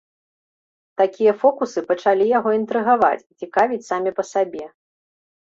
Такія фокусы пачалі яго інтрыгаваць і цікавіць самі па сабе.